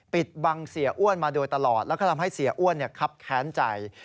ปิดบังเสียอ้วนมาโดยตลอดแล้วก็ทำให้เสียอ้วนคับแค้นใจ